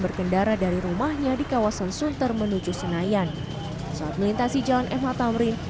berkendara dari rumahnya di kawasan sunter menuju senayan saat melintasi jalan mh tamrin